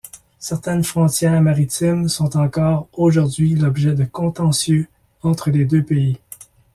Certaines frontières maritimes sont encore aujourd'hui l'objet de contentieux entre les deux pays.